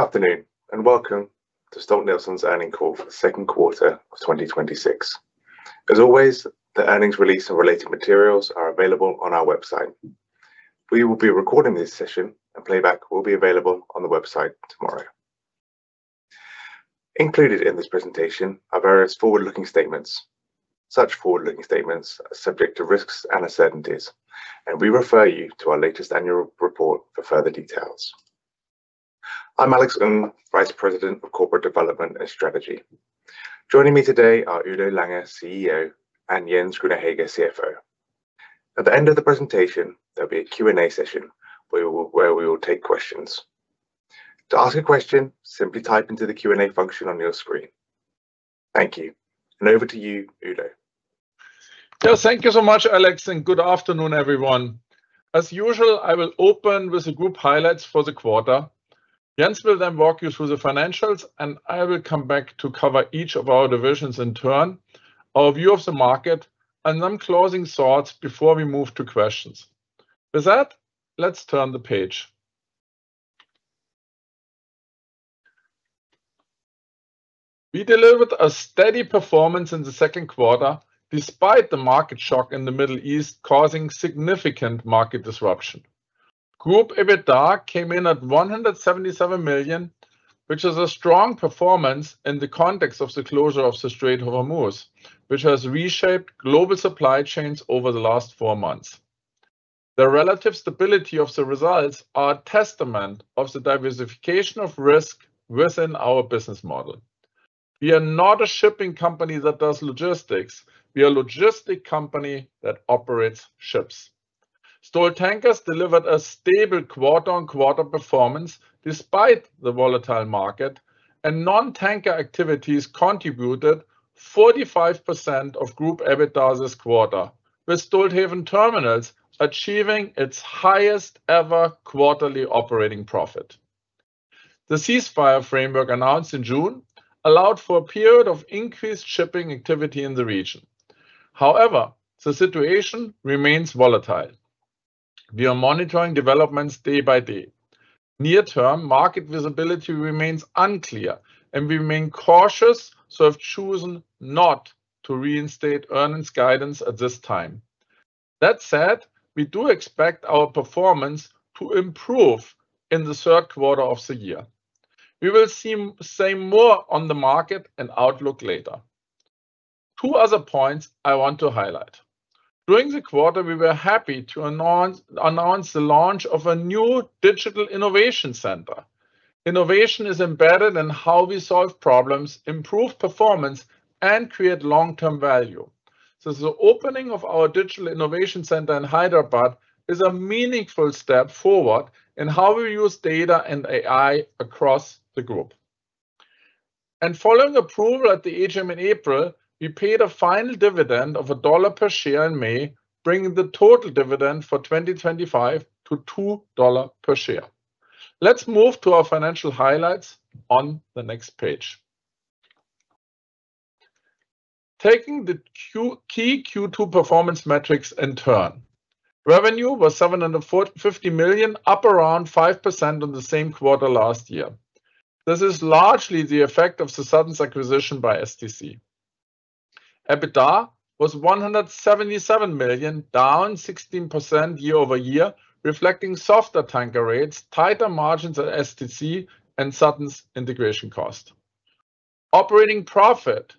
Good afternoon, welcome to Stolt-Nielsen's earnings call for the second quarter of 2026. As always, the earnings release and related materials are available on our website. We will be recording this session, and playback will be available on the website tomorrow. Included in this presentation are various forward-looking statements. Such forward-looking statements are subject to risks and uncertainties; we refer you to our latest annual report for further details. I'm Alex Ng, Vice President of Corporate Development & Strategy. Joining me today are Udo Lange, CEO, and Jens Grüner-Hegge, CFO. At the end of the presentation, there'll be a Q&A session where we will take questions. To ask a question, simply type into the Q&A function on your screen. Thank you. Over to you, Udo. Yes. Thank you so much, Alex, good afternoon, everyone. As usual, I will open with the group highlights for the quarter. Jens will walk you through the financials, I will come back to cover each of our divisions in turn, our view of the market, and some closing thoughts before we move to questions. With that, let's turn the page. We delivered a steady performance in the second quarter, despite the market shock in the Middle East causing significant market disruption. Group EBITDA came in at $177 million, which is a strong performance in the context of the closure of the Strait of Hormuz, which has reshaped global supply chains over the last four months. The relative stability of the results are a testament of the diversification of risk within our business model. We are not a shipping company that does logistics. We are a logistics company that operates ships. Stolt Tankers delivered a stable quarter-on-quarter performance despite the volatile market, non-tanker activities contributed 45% of group EBITDA this quarter, with Stolthaven Terminals achieving its highest ever quarterly operating profit. The ceasefire framework announced in June allowed for a period of increased shipping activity in the region. The situation remains volatile. We are monitoring developments day by day. Near term, market visibility remains unclear, we remain cautious, have chosen not to reinstate earnings guidance at this time. That said, we do expect our performance to improve in the third quarter of the year. We will say more on the market and outlook later. Two other points I want to highlight. During the quarter, we were happy to announce the launch of a new Digital Innovation Center. Innovation is embedded in how we solve problems, improve performance, and create long-term value. The opening of our Digital Innovation Center in Hyderabad is a meaningful step forward in how we use data and AI across the group. Following approval at the AGM in April, we paid a final dividend of $1 per share in May, bringing the total dividend for 2025 to $2 per share. Let's move to our financial highlights on the next page. Taking the key Q2 performance metrics in turn. Revenue was $750 million, up around 5% on the same quarter last year. This is largely the effect of the Suttons' acquisition by STC. EBITDA was $177 million, down 16% year-over-year, reflecting softer tanker rates, tighter margins at STC, and Suttons' integration cost. Operating profit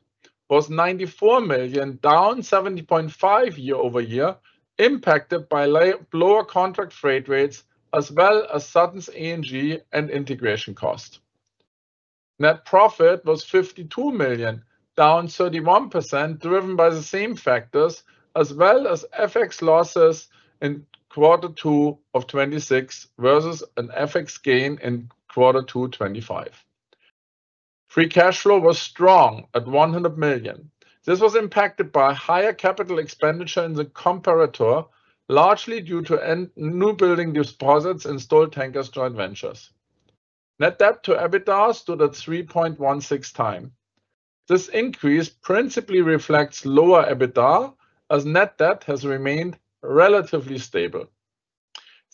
was $94 million, down 70.5% year-over-year, impacted by lower contract freight rates as well as Suttons' A&G and integration cost. Net profit was $52 million, down 31%, driven by the same factors, as well as FX losses in quarter two 2026, versus an FX gain in quarter two 2025. Free cash flow was strong at $100 million. This was impacted by higher capital expenditure in the comparator, largely due to new building deposits in Stolt Tankers' joint ventures. Net debt to EBITDA stood at 3.16 times. This increase principally reflects lower EBITDA, as net debt has remained relatively stable.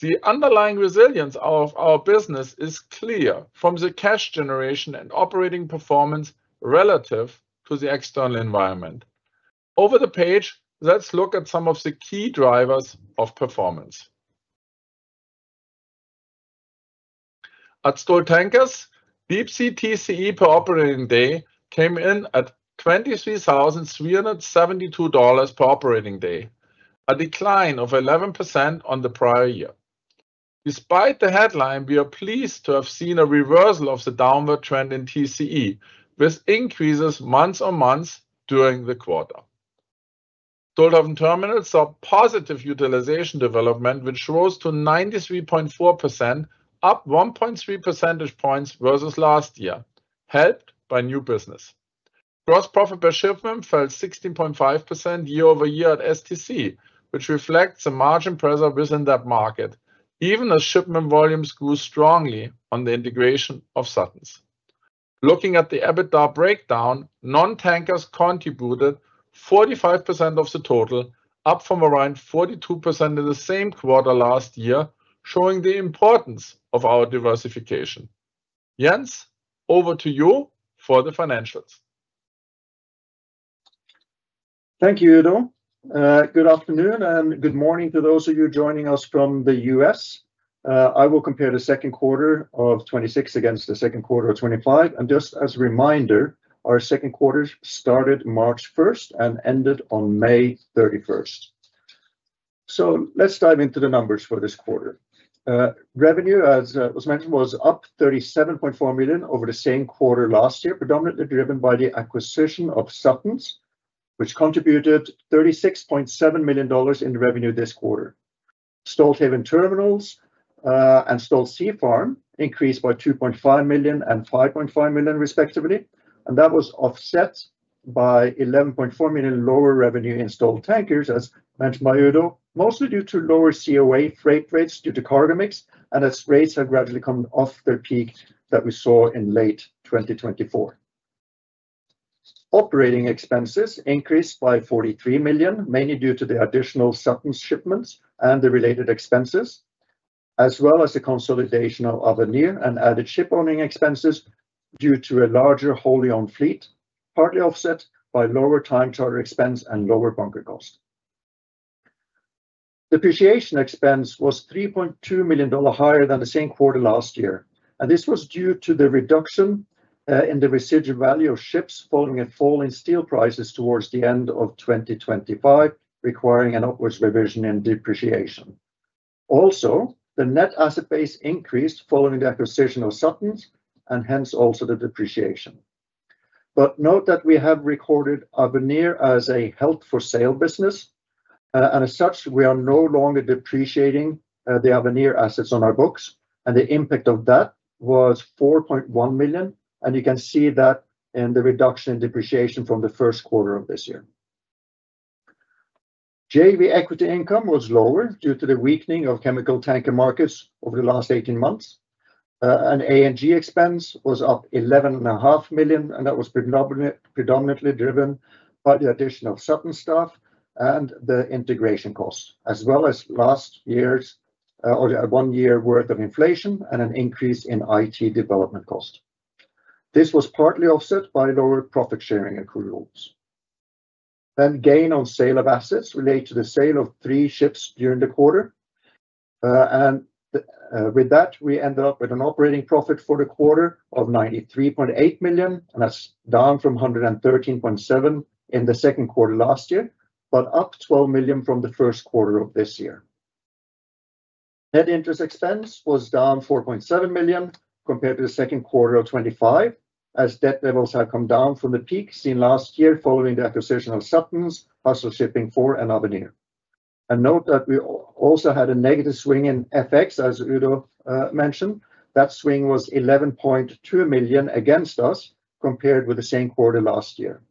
The underlying resilience of our business is clear from the cash generation and operating performance relative to the external environment. Over the page, let's look at some of the key drivers of performance. At Stolt Tankers, Deepsea TCE per operating day came in at $23,372 per operating day, a decline of 11% on the prior year. Despite the headline, we are pleased to have seen a reversal of the downward trend in TCE, with increases month-on-month during the quarter. Stolthaven Terminals saw positive utilization development, which rose to 93.4%, up 1.3 percentage points versus last year, helped by new business. Gross profit per shipment fell 16.5% year-over-year at STC, which reflects the margin pressure within that market, even as shipment volumes grew strongly on the integration of Suttons'. Looking at the EBITDA breakdown, non-tankers contributed 45% of the total, up from around 42% in the same quarter last year, showing the importance of our diversification. Jens, over to you for the financials. Thank you, Udo. Good afternoon, and good morning to those of you joining us from the U.S. I will compare the second quarter of 2026 against the second quarter of 2025. Just as a reminder, our second quarter started March 1st and ended on May 31st. Let's dive into the numbers for this quarter. Revenue, as was mentioned, was up $37.4 million over the same quarter last year, predominantly driven by the acquisition of Suttons, which contributed $36.7 million in revenue this quarter. Stolthaven Terminals and Stolt Sea Farm increased by $2.5 million and $5.5 million, respectively. That was offset by $11.4 million lower revenue in Stolt Tankers, as mentioned by Udo, mostly due to lower COA freight rates due to cargo mix and as rates have gradually come off their peak that we saw in late 2024. Operating expenses increased by $43 million, mainly due to the additional Suttons shipments and the related expenses, as well as the consolidation of Avenir and added shipowning expenses due to a larger wholly owned fleet, partly offset by lower time charter expense and lower bunker cost. Depreciation expense was $3.2 million higher than the same quarter last year. This was due to the reduction in the residual value of ships following a fall in steel prices towards the end of 2025, requiring an upward revision in depreciation. Also, the net asset base increased following the acquisition of Suttons, hence, also the depreciation. Note that we have recorded Avenir as a held for sale business, and as such, we are no longer depreciating the Avenir assets on our books, and the impact of that was $4.1 million, and you can see that in the reduction in depreciation from the first quarter of this year. JV equity income was lower due to the weakening of chemical tanker markets over the last 18 months. A&G expense was up $11.5 million, and that was predominantly driven by the addition of Suttons staff and the integration cost, as well as last year's or one year worth of inflation and an increase in IT development cost. This was partly offset by lower profit sharing accruals. Gain on sale of assets relate to the sale of three ships during the quarter. With that, we ended up with an operating profit for the quarter of $93.8 million, and that's down from $113.7 million in the second quarter last year, but up $12 million from the first quarter of this year. Net interest expense was down $4.7 million compared to the second quarter of 2025, as debt levels have come down from the peak seen last year following the acquisition of Suttons, Hassel Shipping 4, and Avenir. Note that we also had a negative swing in FX, as Udo mentioned. That swing was $11.2 million against us compared with the same quarter last year.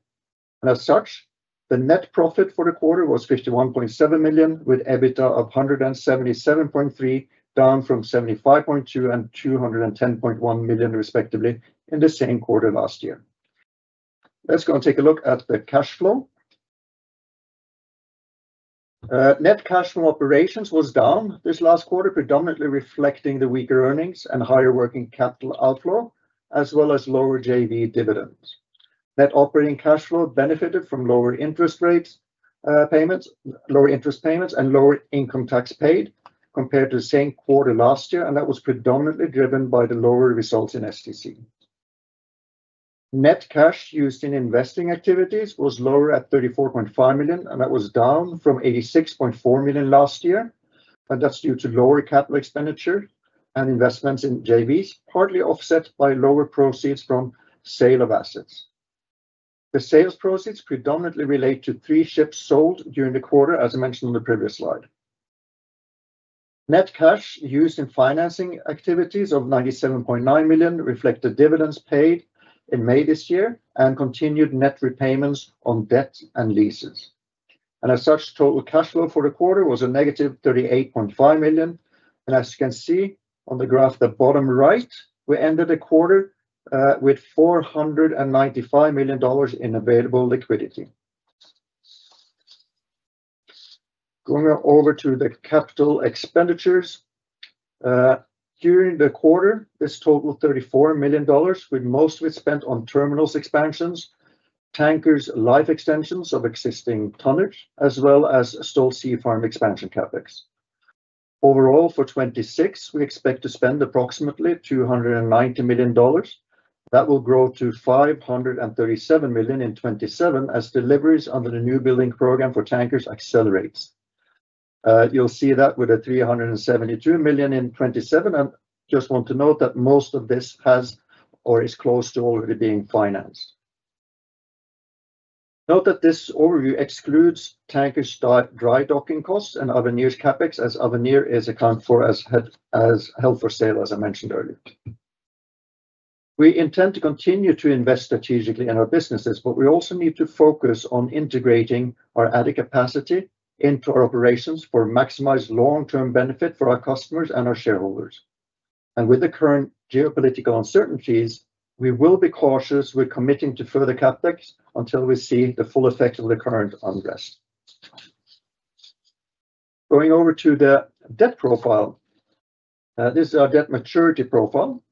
The net profit for the quarter was $51.7 million, with EBITDA of $177.3 million, down from $75.2 million and $210.1 million, respectively, in the same quarter last year. Let's go and take a look at the cash flow. Net cash from operations was down this last quarter, predominantly reflecting the weaker earnings and higher working capital outflow, as well as lower JV dividends. Net operating cash flow benefited from lower interest rates payments, lower interest payments, and lower income tax paid compared to the same quarter last year, and that was predominantly driven by the lower results in STC. Net cash used in investing activities was lower at $34.5 million, and that was down from $86.4 million last year, and that's due to lower capital expenditure and investments in JVs, partly offset by lower proceeds from sale of assets. The sales proceeds predominantly relate to three ships sold during the quarter, as I mentioned on the previous slide. Net cash used in financing activities of $97.9 million reflected dividends paid in May this year and continued net repayments on debt and leases. Total cash flow for the quarter was a negative $38.5 million. As you can see on the graph at bottom right, we ended the quarter with $495 million in available liquidity. Going over to the capital expenditures. During the quarter, this totaled $34 million, with most was spent on terminals expansions, tankers life extensions of existing tonnage, as well as Stolt Sea Farm expansion CapEx. Overall, for 2026, we expect to spend approximately $290 million. That will grow to $537 million in 2027 as deliveries under the new building program for tankers accelerates. You'll see that with a $372 million in 2027. Just want to note that most of this has or is close to already being financed. Note that this overview excludes tanker dry docking costs and Avenir's CapEx as Avenir is accounted for as held for sale, as I mentioned earlier. We intend to continue to invest strategically in our businesses, but we also need to focus on integrating our added capacity into our operations for maximized long-term benefit for our customers and our shareholders. With the current geopolitical uncertainties, we will be cautious with committing to further CapEx until we see the full effect of the current unrest. Going over to the debt profile. This is our debt maturity profile.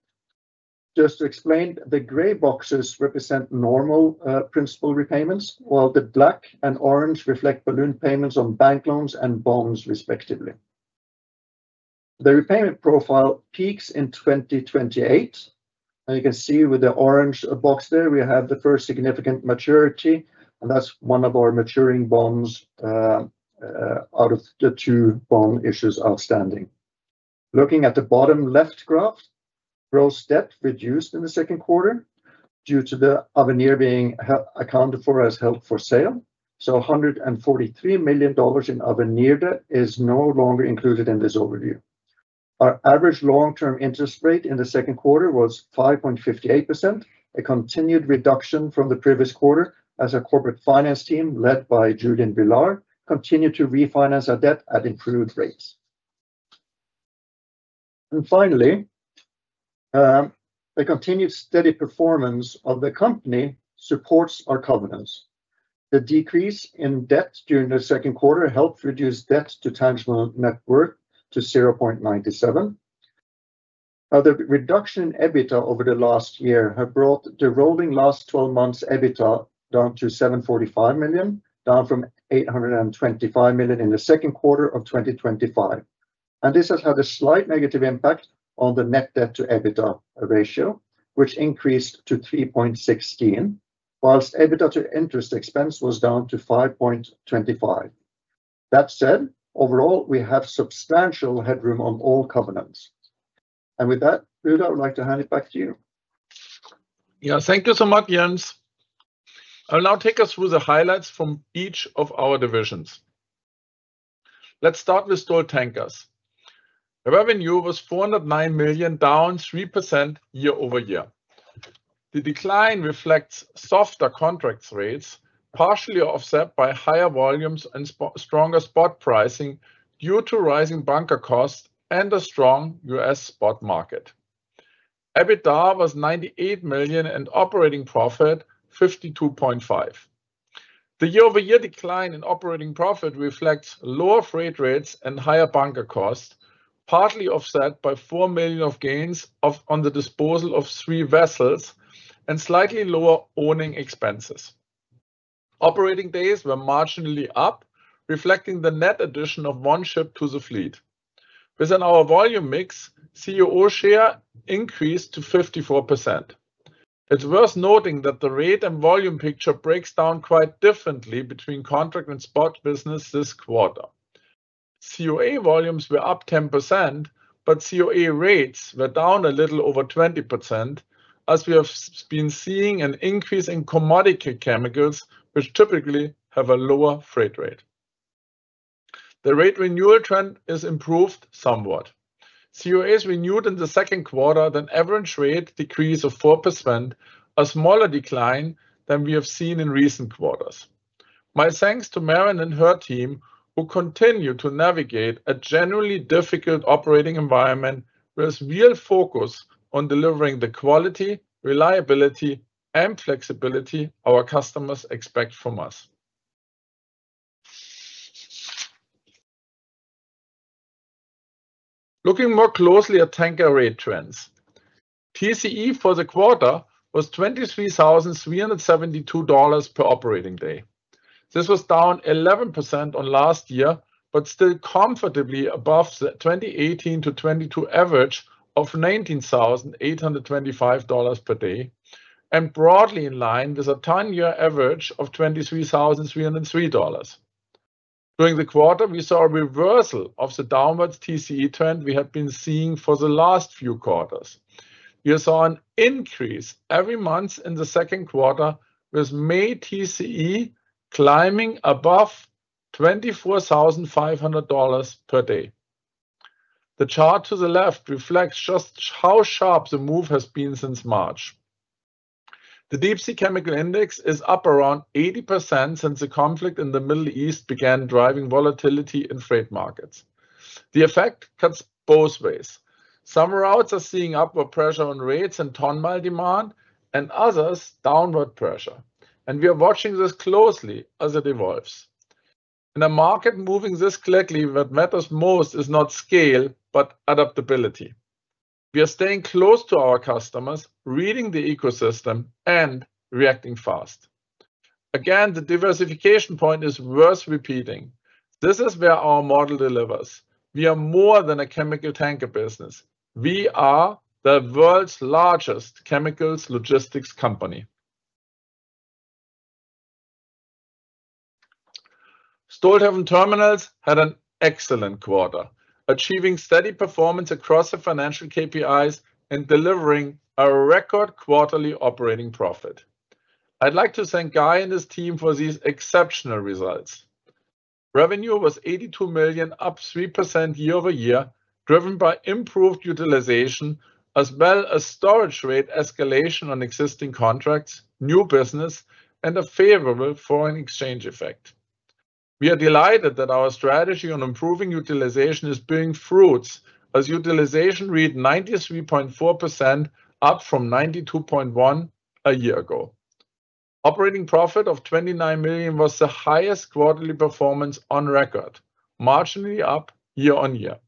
Just to explain, the gray boxes represent normal principal repayments, while the black and orange reflect balloon payments on bank loans and bonds, respectively. The repayment profile peaks in 2028, and you can see with the orange box there, we have the first significant maturity, and that's one of our maturing bonds out of the two bond issues outstanding. Looking at the bottom left graph, gross debt reduced in the second quarter due to Avenir being accounted for as held for sale. $143 million in Avenir debt is no longer included in this overview. Our average long-term interest rate in the second quarter was 5.58%, a continued reduction from the previous quarter as our corporate finance team, led by Julian Villar, continued to refinance our debt at improved rates. Finally, the continued steady performance of the company supports our covenants. The decrease in debt during the second quarter helped reduce debt to tangible net worth to 0.97. The reduction in EBITDA over the last year have brought the rolling last 12 months EBITDA down to $745 million, down from $825 million in the second quarter of 2025. This has had a slight negative impact on the net debt to EBITDA ratio, which increased to 3.16, whilst EBITDA to interest expense was down to 5.25. Overall, we have substantial headroom on all covenants. With that, Udo, I would like to hand it back to you. Thank you so much, Jens. I will now take us through the highlights from each of our divisions. Let's start with Stolt Tankers. Revenue was $409 million, down 3% year-over-year. The decline reflects softer contracts rates, partially offset by higher volumes and stronger spot pricing due to rising bunker costs and a strong U.S. spot market. EBITDA was $98 million and operating profit $52.5 million. The year-over-year decline in operating profit reflects lower freight rates and higher bunker costs, partly offset by $4 million of gains on the disposal of three vessels and slightly lower owning expenses. Operating days were marginally up, reflecting the net addition of one ship to the fleet. Within our volume mix, COA share increased to 54%. It's worth noting that the rate and volume picture breaks down quite differently between contract and spot business this quarter. COA volumes were up 10%. COA rates were down a little over 20% as we have been seeing an increase in commodity chemicals, which typically have a lower freight rate. The rate renewal trend is improved somewhat. COAs renewed in the second quarter at an average rate decrease of 4%, a smaller decline than we have seen in recent quarters. My thanks to Maren and her team, who continue to navigate a generally difficult operating environment with real focus on delivering the quality, reliability, and flexibility our customers expect from us. Looking more closely at tanker rate trends. TCE for the quarter was $23,372 per operating day. This was down 11% on last year, but still comfortably above the 2018-2022 average of $19,825 per day, and broadly in line with a 10-year average of $23,303. During the quarter, we saw a reversal of the downwards TCE trend we have been seeing for the last few quarters. We saw an increase every month in the second quarter, with May TCE climbing above $24,500 per day. The chart to the left reflects just how sharp the move has been since March. The Deepsea Chemical Tanker Index is up around 80% since the conflict in the Middle East began driving volatility in freight markets. The effect cuts both ways. Some routes are seeing upward pressure on rates and ton mile demand, and others, downward pressure. We are watching this closely as it evolves. In a market moving this quickly, what matters most is not scale, but adaptability. We are staying close to our customers, reading the ecosystem, and reacting fast. Again, the diversification point is worth repeating. This is where our model delivers. We are more than a chemical tanker business. We are the world's largest chemicals logistics company. Stolthaven Terminals had an excellent quarter, achieving steady performance across the financial KPIs and delivering a record quarterly operating profit. I'd like to thank Guy and his team for these exceptional results. Revenue was $82 million, up 3% year-over-year, driven by improved utilization as well as storage rate escalation on existing contracts, new business, and a favorable foreign exchange effect. We are delighted that our strategy on improving utilization is bearing fruits, as utilization read 93.4%, up from 92.1% a year ago. Operating profit of $29 million was the highest quarterly performance on record, marginally up year-on-year.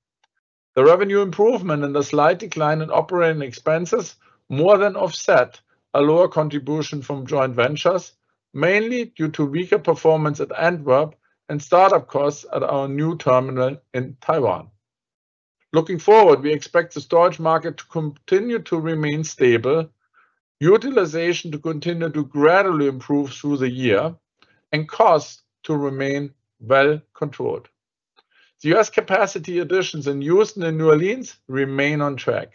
The revenue improvement and the slight decline in operating expenses more than offset a lower contribution from joint ventures, mainly due to weaker performance at Antwerp and start-up costs at our new terminal in Taiwan. Looking forward, we expect the storage market to continue to remain stable, utilization to continue to gradually improve through the year, and costs to remain well controlled. The U.S. capacity additions in Houston and New Orleans remain on track.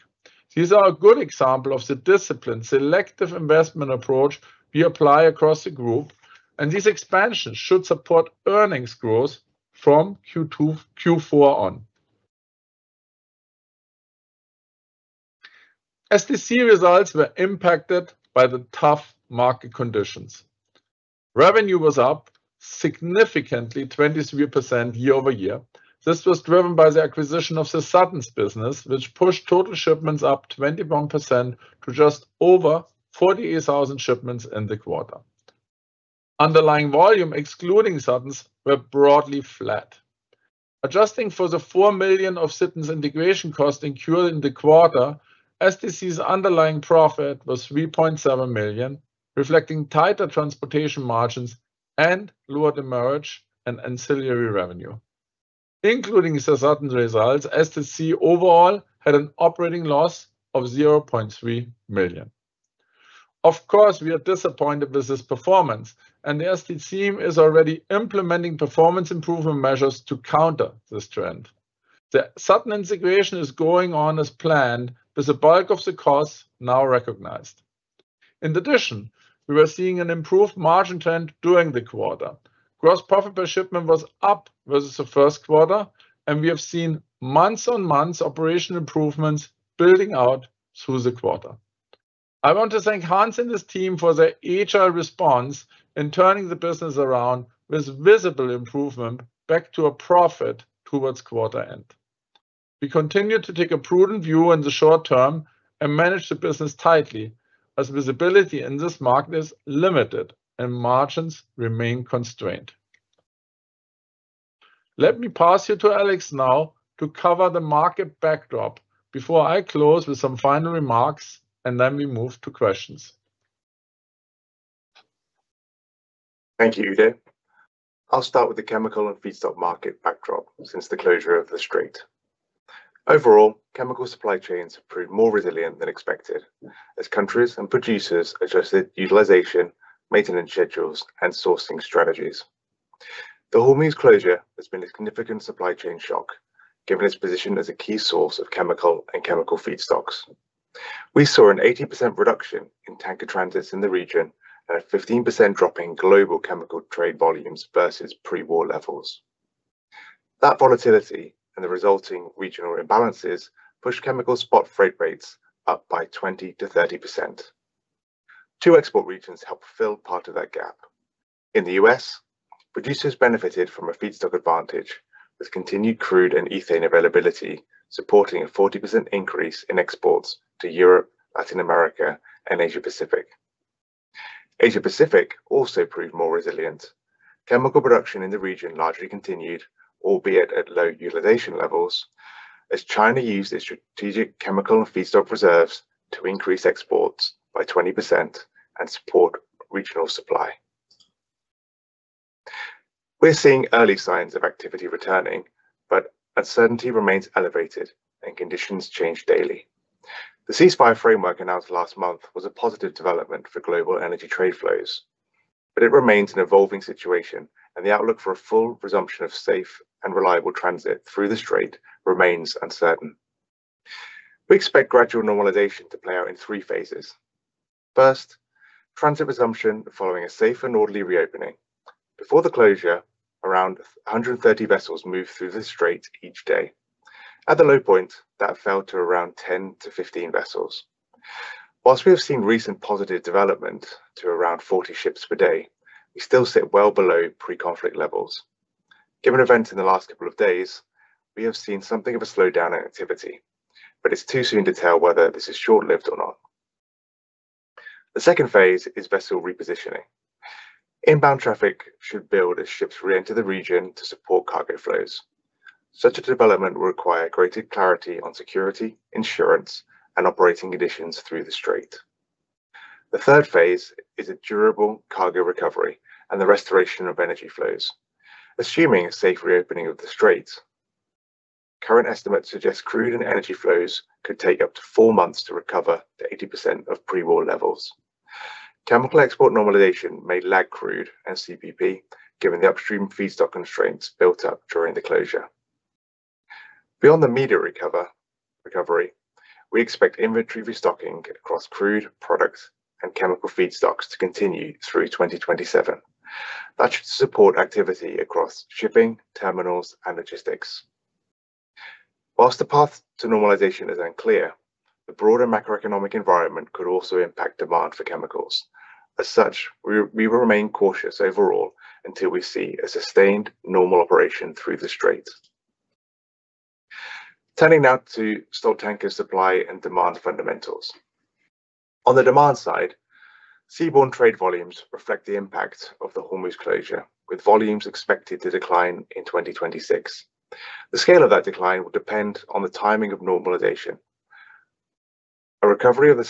These are a good example of the disciplined selective investment approach we apply across the group, and these expansions should support earnings growth from Q2/Q4 on. STC results were impacted by the tough market conditions. Revenue was up significantly, 23% year-over-year. This was driven by the acquisition of the Suttons business, which pushed total shipments up 21% to just over 48,000 shipments in the quarter. Underlying volume, excluding Suttons, were broadly flat. Adjusting for the $4 million of Suttons' integration costs incurred in the quarter, STC's underlying profit was $3.7 million, reflecting tighter transportation margins and lower demurrage and ancillary revenue. Including the Suttons results, STC overall had an operating loss of $0.3 million. Of course, we are disappointed with this performance, and the STC team is already implementing performance improvement measures to counter this trend. The Suttons integration is going on as planned, with the bulk of the costs now recognized. In addition, we were seeing an improved margin trend during the quarter. Gross profit per shipment was up versus the first quarter, and we have seen month-on-month operational improvements building out through the quarter. I want to thank Hans and his team for their agile response in turning the business around, with visible improvement back to a profit towards quarter-end. We continue to take a prudent view in the short term and manage the business tightly, as visibility in this market is limited and margins remain constrained. Let me pass you to Alex now to cover the market backdrop before I close with some final remarks, then we move to questions. Thank you, Udo. I'll start with the chemical and feedstock market backdrop since the closure of the strait. Overall, chemical supply chains have proved more resilient than expected as countries and producers adjusted utilization, maintenance schedules, and sourcing strategies. The Hormuz closure has been a significant supply chain shock, given its position as a key source of chemical and chemical feedstocks. We saw an 80% reduction in tanker transits in the region and a 15% drop in global chemical trade volumes versus pre-war levels. That volatility and the resulting regional imbalances pushed chemical spot freight rates up by 20%-30%. Two export regions helped fill part of that gap. In the U.S., producers benefited from a feedstock advantage, with continued crude and ethane availability supporting a 40% increase in exports to Europe, Latin America, and Asia-Pacific. Asia-Pacific also proved more resilient. Chemical production in the region largely continued, albeit at low utilization levels, as China used its strategic chemical and feedstock reserves to increase exports by 20% and support regional supply. We're seeing early signs of activity returning, uncertainty remains elevated, conditions change daily. The ceasefire framework announced last month was a positive development for global energy trade flows, it remains an evolving situation, the outlook for a full resumption of safe and reliable transit through the strait remains uncertain. We expect gradual normalization to play out in three phases. First, transit resumption following a safe and orderly reopening. Before the closure, around 130 vessels moved through the strait each day. At the low point, that fell to around 10-15 vessels. While we have seen recent positive development to around 40 ships per day, we still sit well below pre-conflict levels. Given events in the last couple of days, it's too soon to tell whether this is short-lived or not. The second phase is vessel repositioning. Inbound traffic should build as ships re-enter the region to support cargo flows. Such a development will require greater clarity on security, insurance, and operating conditions through the strait. The third phase is a durable cargo recovery and the restoration of energy flows. Assuming a safe reopening of the strait, current estimates suggest crude and energy flows could take up to 4 months to recover to 80% of pre-war levels. Chemical export normalization may lag crude and CPP, given the upstream feedstock constraints built up during the closure. Beyond the immediate recovery, we expect inventory restocking across crude products and chemical feedstocks to continue through 2027. That should support activity across shipping, terminals, and logistics. Whilst the path to normalization is unclear, the broader macroeconomic environment could also impact demand for chemicals. As such, we will remain cautious overall until we see a sustained normal operation through the Strait. Turning now to Stolt Tankers supply and demand fundamentals. On the demand side, seaborne trade volumes reflect the impact of the Hormuz closure, with volumes expected to decline in 2026. The scale of that decline will depend on the timing of normalization. A recovery of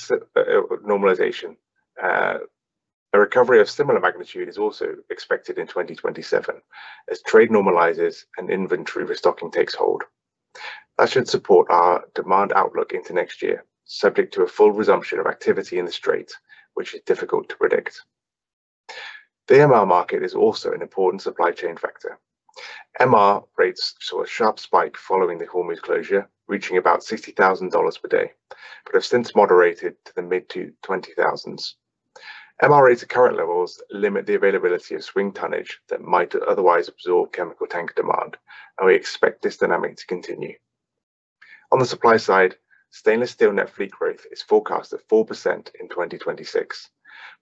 similar magnitude is also expected in 2027 as trade normalizes and inventory restocking takes hold. That should support our demand outlook into next year, subject to a full resumption of activity in the Strait, which is difficult to predict. The MR market is also an important supply chain factor. MR rates saw a sharp spike following the Hormuz closure, reaching about $60,000 per day. Have since moderated to the mid to 20,000s. MR rates at current levels limit the availability of swing tonnage that might otherwise absorb chemical tanker demand. We expect this dynamic to continue. On the supply-side, stainless-steel net fleet growth is forecast at 4% in 2026,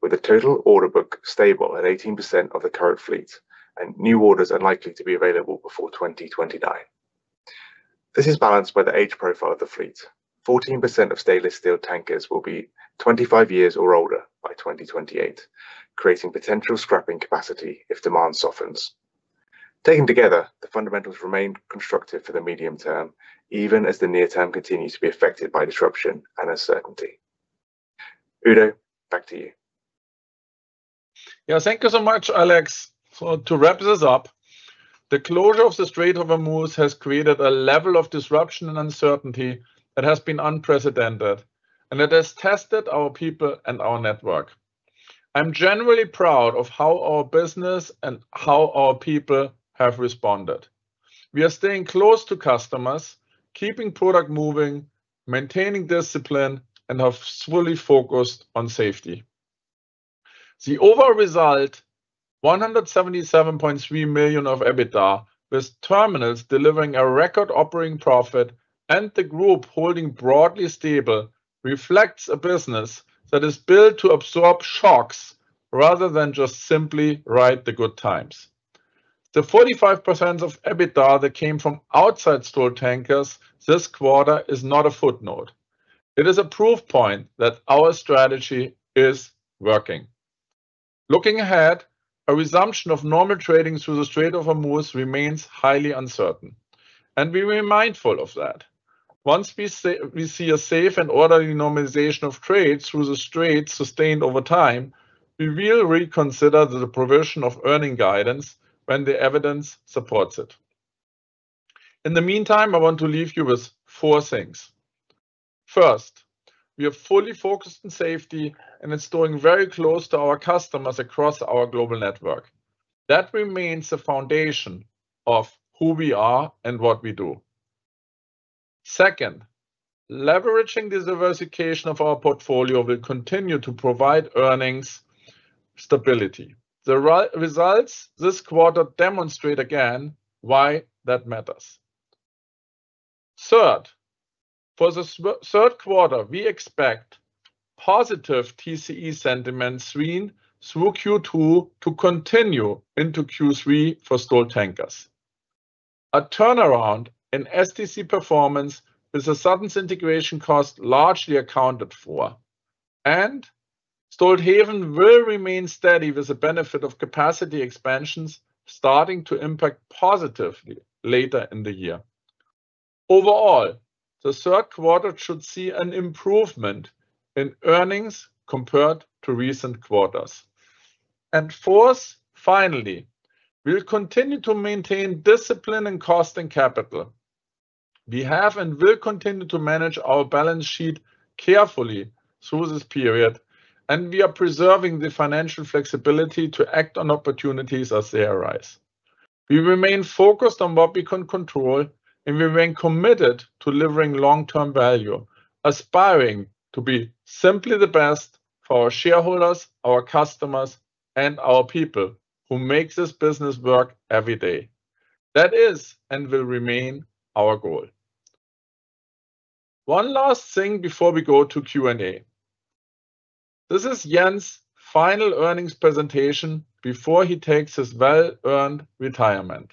with the total order book stable at 18% of the current fleet. New orders are likely to be available before 2029. This is balanced by the age profile of the fleet. 14% of stainless-steel tankers will be 25 years or older by 2028, creating potential scrapping capacity if demand softens. Taken together, the fundamentals remain constructive for the medium term, even as the near term continues to be affected by disruption and uncertainty. Udo, back to you. Thank you so much, Alex. To wrap this up, the closure of the Strait of Hormuz has created a level of disruption and uncertainty that has been unprecedented. It has tested our people and our network. I'm genuinely proud of how our business and how our people have responded. We are staying close to customers, keeping product moving, maintaining discipline, and have fully focused on safety. The overall result, $177.3 million of EBITDA, with terminals delivering a record operating profit and the group holding broadly stable, reflects a business that is built to absorb shocks rather than just simply ride the good times. The 45% of EBITDA that came from outside Stolt Tankers this quarter is not a footnote. It is a proof point that our strategy is working. Looking ahead, a resumption of normal trading through the Strait of Hormuz remains highly uncertain, and we remain mindful of that. Once we see a safe and orderly normalization of trade through the Strait sustained over time, we will reconsider the provision of earning guidance when the evidence supports it. In the meantime, I want to leave you with four things. First, we are fully focused on safety and it's doing very close to our customers across our global network. That remains the foundation of who we are and what we do. Second, leveraging this diversification of our portfolio will continue to provide earnings stability. The results this quarter demonstrate again why that matters. Third, for the third quarter, we expect positive TCE sentiment seen through Q2 to continue into Q3 for Stolt Tankers. A turnaround in STC performance with the Suttons' integration cost largely accounted for and Stolthaven will remain steady with the benefit of capacity expansions starting to impact positively later in the year. Overall, the third quarter should see an improvement in earnings compared to recent quarters. Fourth, finally, we'll continue to maintain discipline in cost and capital. We have and will continue to manage our balance sheet carefully through this period, and we are preserving the financial flexibility to act on opportunities as they arise. We remain focused on what we can control, and we remain committed to delivering long-term value, aspiring to be simply the best for our shareholders, our customers, and our people who make this business work every day. That is and will remain our goal. One last thing before we go to Q&A. This is Jens' final earnings presentation before he takes his well-earned retirement.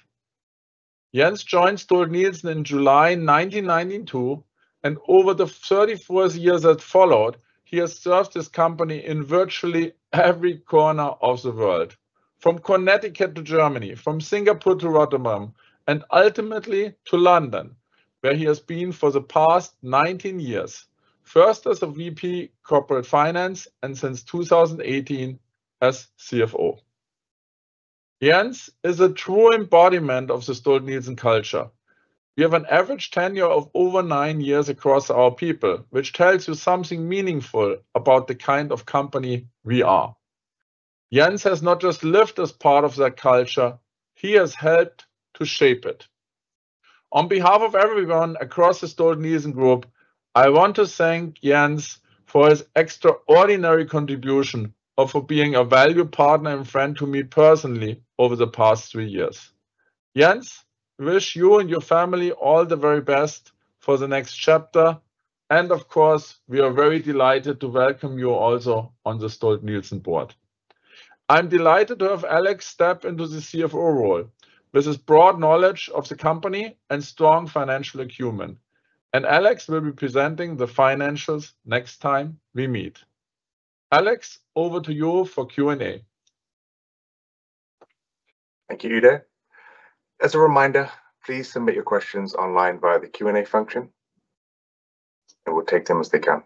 Jens joined Stolt-Nielsen in July 1992, and over the 34 years that followed, he has served this company in virtually every corner of the world, from Connecticut to Germany, from Singapore to Rotterdam, and ultimately to London, where he has been for the past 19 years, first as a VP Corporate Finance and since 2018 as CFO. Jens is a true embodiment of the Stolt-Nielsen culture. We have an average tenure of over nine years across our people, which tells you something meaningful about the kind of company we are. Jens has not just lived as part of that culture; he has helped to shape it. On behalf of everyone across the Stolt-Nielsen group, I want to thank Jens for his extraordinary contribution and for being a valued partner and friend to me personally over the past three years. Jens, wish you and your family all the very best for the next chapter. Of course, we are very delighted to welcome you also on the Stolt-Nielsen board. I'm delighted to have Alex step into the CFO role with his broad knowledge of the company and strong financial acumen. Alex will be presenting the financials next time we meet. Alex, over to you for Q&A. Thank you, Udo. As a reminder, please submit your questions online via the Q&A function, we'll take them as they come.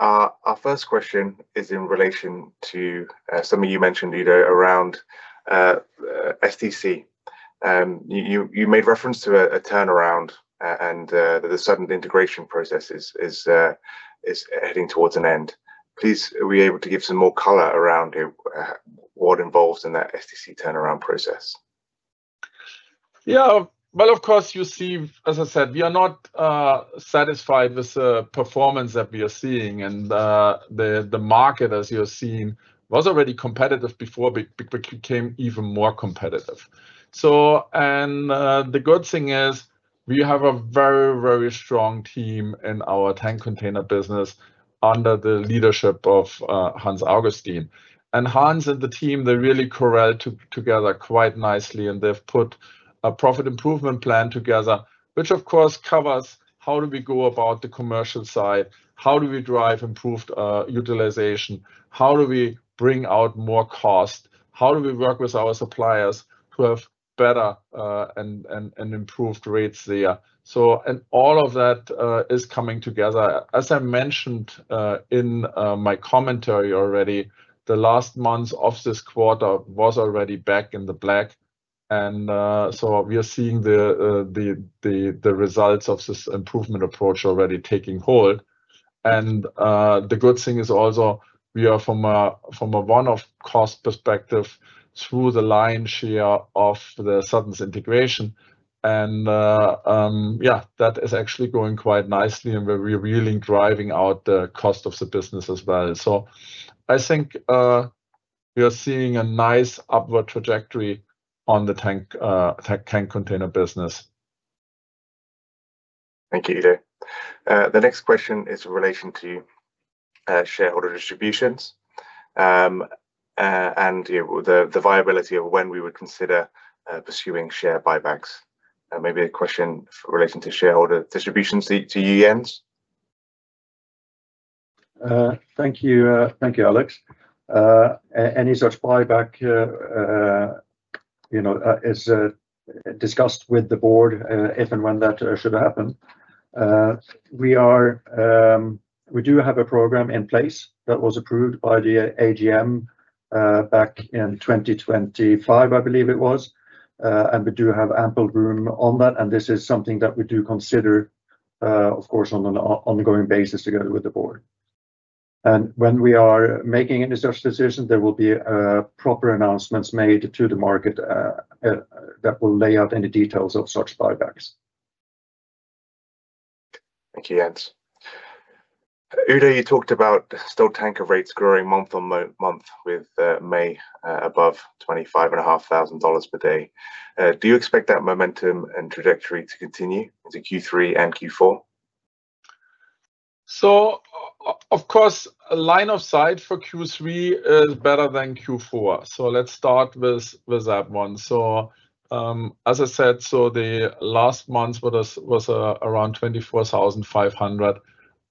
Our first question is in relation to something you mentioned, Udo, around STC. You made reference to a turnaround and that the Suttons integration process is heading towards an end. Please, are we able to give some more color around what involved in that STC turnaround process? Well, of course, as I said, we are not satisfied with the performance that we are seeing. The market, as you're seeing, was already competitive before, but became even more competitive. The good thing is we have a very strong team in our tank container business under the leadership of Hans Augusteijn. Hans and the team, they really corralled together quite nicely, and they've put a profit improvement plan together, which of course covers how do we go about the commercial side? How do we drive improved utilization? How do we bring out more cost? How do we work with our suppliers to have better and improved rates there? All of that is coming together. As I mentioned in my commentary already, the last month of this quarter was already back in the black. We are seeing the results of this improvement approach already taking hold. The good thing is also we are from a one-off cost perspective through the lion's share of the Suttons integration. That is actually going quite nicely, and we're really driving out the cost of the business as well. I think we are seeing a nice upward trajectory on the tank container business. Thank you, Udo. The next question is in relation to shareholder distributions, and the viability of when we would consider pursuing share buybacks, and maybe a question relating to shareholder distributions to you, Jens. Thank you, Alex. Any such buyback is discussed with the board, if and when that should happen. We do have a program in place that was approved by the AGM, back in 2025, I believe it was. We do have ample room on that, and this is something that we do consider, of course, on an ongoing basis together with the board. When we are making any such decision, there will be proper announcements made to the market that will lay out any details of such buybacks. Thank you, Jens. Udo, you talked about Stolt Tankers rates growing month-on-month with May above $25,500 per day. Do you expect that momentum and trajectory to continue into Q3 and Q4? Of course, line of sight for Q3 is better than Q4. Let's start with that one. As I said, the last month was around $24,500.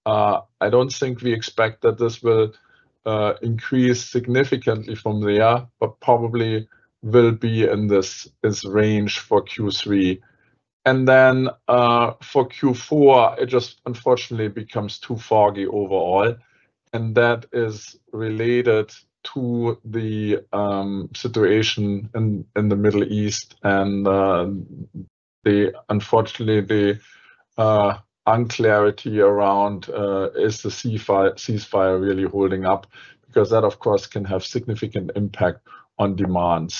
I don't think we expect that this will increase significantly from there, but probably will be in this range for Q3. Then, for Q4, it just unfortunately becomes too foggy overall, and that is related to the situation in the Middle East and, unfortunately, the unclarity around is the ceasefire really holding up? Because that, of course, can have significant impact on demand.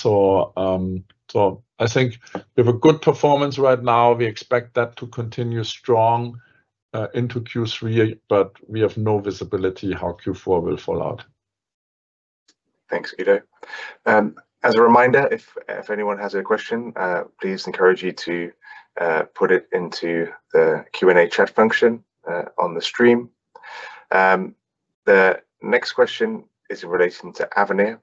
I think we have a good performance right now. We expect that to continue strong into Q3, but we have no visibility how Q4 will fall out. Thanks, Udo. As a reminder, if anyone has a question, please encourage you to put it into the Q&A chat function on the stream. The next question is in relation to Avenir.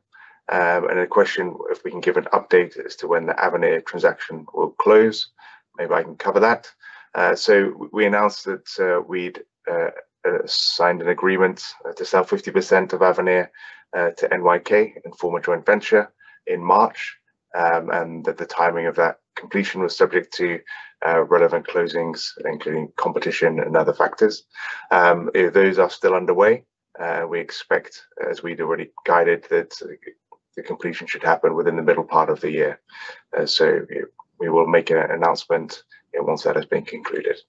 A question if we can give an update as to when the Avenir transaction will close. Maybe I can cover that. We announced that we'd signed an agreement to sell 50% of Avenir to NYK in former joint venture in March. That the timing of that completion was subject to relevant closings, including competition and other factors. Those are still underway. We expect, as we'd already guided, that the completion should happen within the middle part of the year. We will make an announcement once that has been concluded.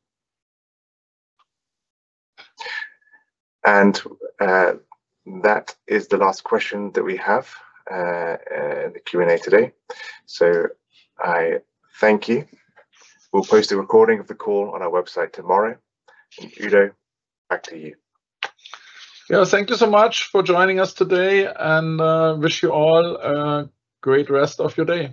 That is the last question that we have in the Q&A today. I thank you. We'll post a recording of the call on our website tomorrow. Udo, back to you. Yeah. Thank you so much for joining us today, and wish you all a great rest of your day.